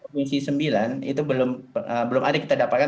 komisi sembilan itu belum ada kita dapatkan